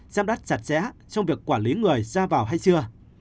giam đắt chặt chẽ trong việc quản lý người ra vào hay chưa